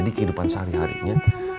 di kehidupan sehari harinya